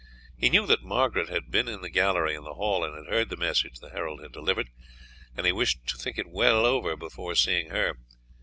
He knew that Margaret had been in the gallery in the hall and had heard the message the herald had delivered, and he wished to think it well over before seeing her.